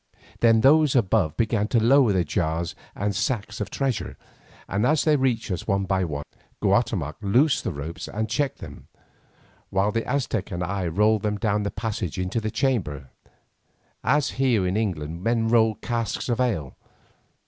Then those above began to lower the jars and sacks of treasure, and as they reached us one by one, Guatemoc loosed the ropes and checked them, while the Aztec and I rolled them down the passage into the chamber, as here in England men roll a cask of ale.